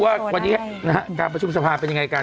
แล้วก็ดูว่าวันนี้การประชุมสภาพเป็นยังไงกัน